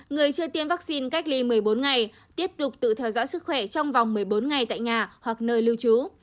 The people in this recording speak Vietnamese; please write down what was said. người chưa tiêm vaccine cách ly một mươi bốn ngày tiếp tục tự theo dõi sức khỏe trong vòng một mươi bốn ngày tại nhà hoặc nơi lưu trú